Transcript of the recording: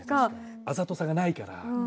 あざとさがないから。